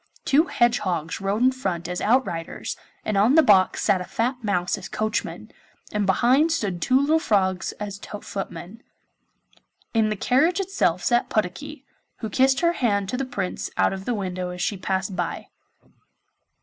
Two hedgehogs rode in front as outriders, and on the box sat a fat mouse as coachman, and behind stood two little frogs as footmen. In the carriage itself sat Puddocky, who kissed her hand to the Prince out of the window as she passed by.